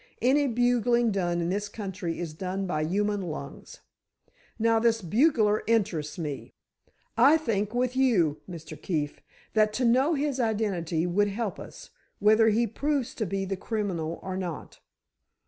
Any bugling done in this country is done by human lungs. Now, this bugler interests me. I think, with you, Mr. Keefe, that to know his identity would help us—whether he proves to be the criminal or not."